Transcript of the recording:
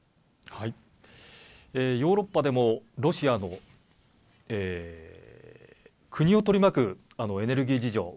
ヨーロッパでも、ロシアの国を取り巻くエネルギー事情